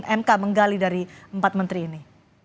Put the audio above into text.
mk menggali dari empat menteri ini